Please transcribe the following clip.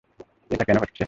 ওটা কেন হচ্ছে?